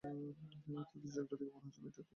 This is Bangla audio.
তাদের ঝগড়া দেখে মনে হচ্ছে মেয়েটাকে তুই পছন্দ করিস।